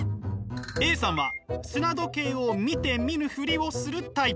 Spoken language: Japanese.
Ａさんは砂時計を見て見ぬふりをするタイプ。